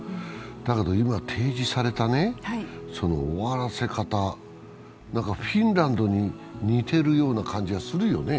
だけど今、提示された終わらせ方、フィンランドに似ているような感じはするよね。